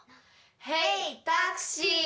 ヘイタクシー！